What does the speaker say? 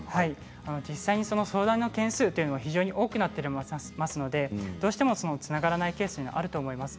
実際に相談件数というのは非常に多くなっていますのでつながらないケースがあると思います。